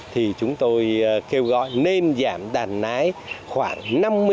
thì chúng tôi kêu gọi nên giảm đàn nái khoảng năm mươi